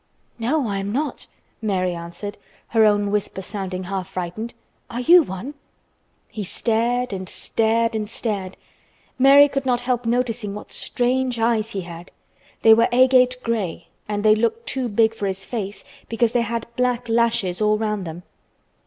"No, I am not," Mary answered, her own whisper sounding half frightened. "Are you one?" He stared and stared and stared. Mary could not help noticing what strange eyes he had. They were agate gray and they looked too big for his face because they had black lashes all round them.